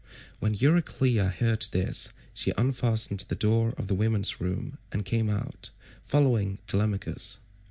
When Euryclea heard this she unfastened the door of the women's room and came out, following Telemachus.